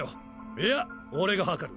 いや俺が測る。